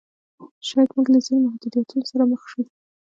شاید موږ له ځینو محدودیتونو سره مخ شو.